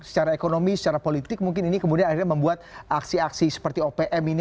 secara ekonomi secara politik mungkin ini kemudian akhirnya membuat aksi aksi seperti opm ini